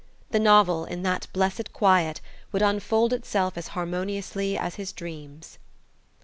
The novel, in that blessed quiet, would unfold itself as harmoniously as his dreams.